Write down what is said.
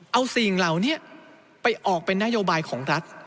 เอาสิ่งเหล่านี้ไปออกเป็นนโยบายของรัฐ